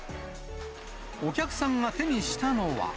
お客さんが手にしたのは。